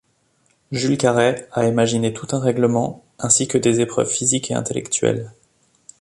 Jules Carret a imaginé tout un règlement ainsi que des épreuves physiques et intellectuelles.